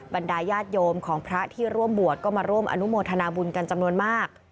บรรดาญาติโยมของพระที่ร่วมบวชก็มาร่วมอนุโมทนาบุญกันจำนวนมาก